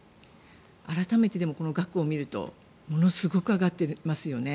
改めてこの額を見るとものすごく上がってますよね。